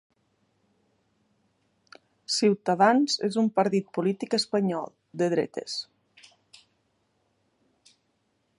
Ciutadans és un partit polític espanyol de dretes.